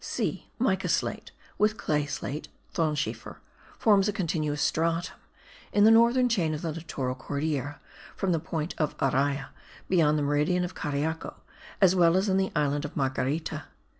(c) MICA SLATE, with clay slate (thonschiefer), forms a continuous stratum in the northern chain of the littoral Cordillera, from the point of Araya, beyond the meridian of Cariaco, as well as in the island of Marguerita.